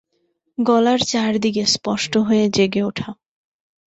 গলার চারদিকে স্পষ্ট হয়ে জেগে ওঠা।